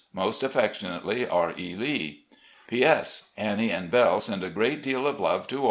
Most affectionately, R. E. Lee. " P. S. — ^ilimie and Belle sraid a great deal of love to all.